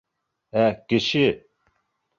Ә кеше?